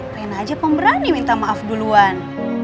pengen aja pemberani minta maaf duluan